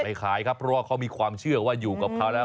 ขายครับเพราะว่าเขามีความเชื่อว่าอยู่กับเขาแล้ว